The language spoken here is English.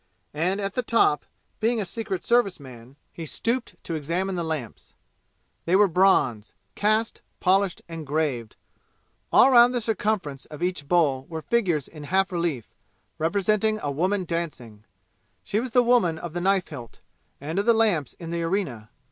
And at the top, being a Secret Service man, he stooped to examine the lamps. They were bronze, cast, polished and graved. All round the circumference of each bowl were figures in half relief, representing a woman dancing. She was the woman of the knife hilt, and of the lamps in the arena!